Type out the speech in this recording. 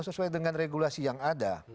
sesuai dengan regulasi yang ada